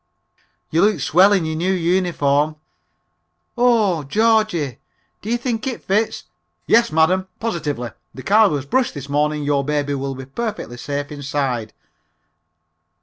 "You look swell in your new uniform." "Oh, Georgie, do you think it fits? (Yes, madam, positively, the car was brushed this morning, your baby will be perfectly safe inside.)"